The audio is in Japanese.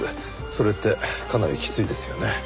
それってかなりきついですよね。